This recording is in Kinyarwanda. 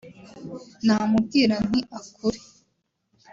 namubwira nti `akure